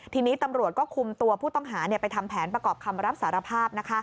ทีนี้ตำรวจก็คุมตัวผู้ต้องหาไปทำแผนประกอบคำรับสารภาพ